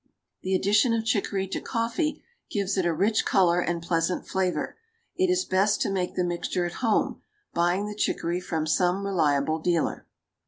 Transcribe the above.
The addition of chicory to coffee gives it a rich color and pleasant flavor; it is best to make the mixture at home, buying the chicory from some reliable dealer.